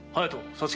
皐月。